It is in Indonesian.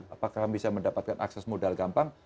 apakah bisa mendapatkan akses modal gampang